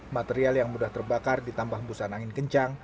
material yang mudah terbakar ditambah hembusan angin kencang